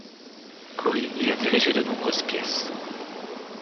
Khoury y a dirigé de nombreuses pièces.